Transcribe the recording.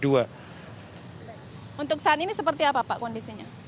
untuk saat ini seperti apa pak kondisinya